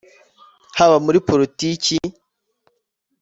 haba muri Politiki